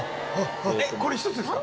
えっこれ１つですか？